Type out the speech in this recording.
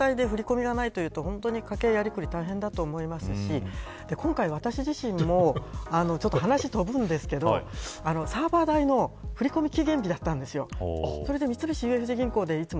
そうすると、かなりかつかつの状態で、振り込みがないというと本当に家計のやりくりが大変だと思いますし今回、私自身も話が飛ぶんですけどサーバー代の振り込み期限日だったんですよ。